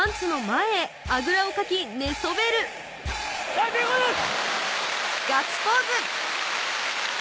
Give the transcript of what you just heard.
大成功です！